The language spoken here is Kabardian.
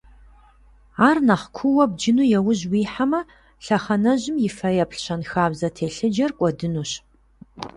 Ар нэхъ куууэ бджыну яужь уихьэмэ, лъэхъэнэжьым и фэеплъ щэнхабзэ телъыджэр кӀуэдынущ.